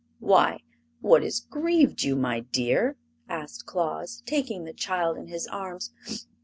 "Why, what has grieved you, my dear?" asked Claus, taking the child in his arms.